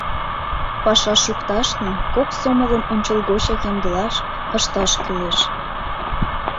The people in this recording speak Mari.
Паша шукташлан кок сомылым ончылгочак ямдылаш, ышташ кӱлеш.